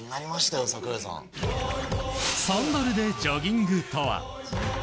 サンダルでジョギングとは？